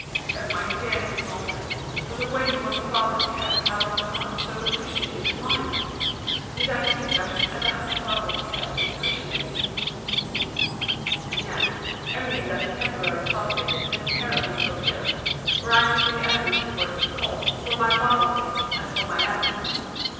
O my dear Mrs. Norton, what a weight must a father's curse have upon a heart so appreciative as mine!—Did I think I should ever have a father's curse to deprecate? And yet, only that the temporary part of it is so terribly fulfilled, or I should be as earnest for its recall, for my father's sake, as for my own!